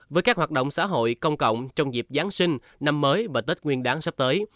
với các hoạt động xã hội công cộng trong dịp giáng sinh năm mới và tết nguyên đáng sắp tới